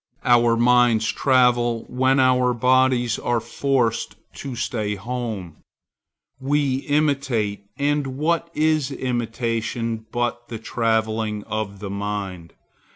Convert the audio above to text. Our minds travel when our bodies are forced to stay at home. We imitate; and what is imitation but the travelling of the mind?